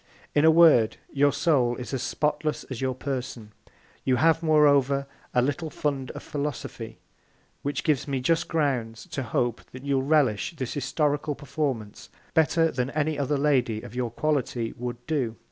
In a Word, your Soul is as spotless as your Person. You have, moreover, a little Fund of Philosophy, which gives me just Grounds to hope that you'll relish this Historical Performance better than any other Lady of your Quality would do.